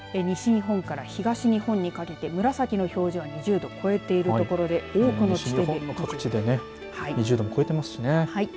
西日本から東日本にかけて紫の表示は２０度を超えている所で各地で２０度も超えていますしね。